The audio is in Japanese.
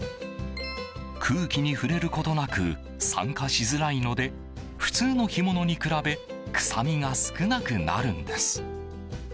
空気に触れることなく酸化しづらいので普通の干物に比べ臭みが少なくなるんです。